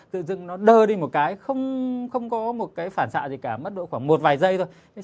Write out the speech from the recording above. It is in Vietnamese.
tự dưng nó đờ đi một cái không có một cái phản xạ gì cả mất độ khoảng một vài giây thôi